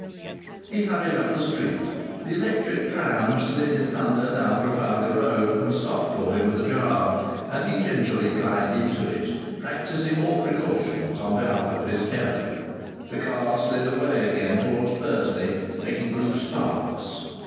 He hurried up the street. The electric tram slid in thunder down Trafalgar Road, and stopped for him with a jar, and he gingerly climbed into it, practising all precautions on behalf of his violoncello. The car slid away again towards Bursley, making blue sparks.